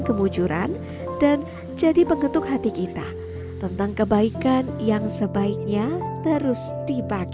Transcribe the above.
kemujuran dan jadi pengetuk hati kita tentang kebaikan yang sebaiknya terus dipakai